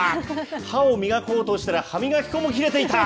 歯を磨こうとしたら、歯磨き粉も切れていた。